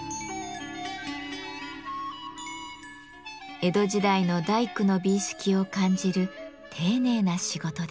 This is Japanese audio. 江戸時代の大工の美意識を感じる丁寧な仕事です。